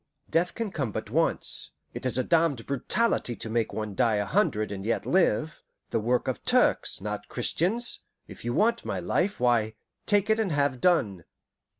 Death can come but once, it is a damned brutality to make one die a hundred and yet live the work of Turks, not Christians. If you want my life, why, take it and have done."